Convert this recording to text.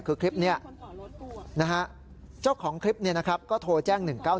คือคลิปนี้เจ้าของคลิปก็โทรแจ้ง๑๙๑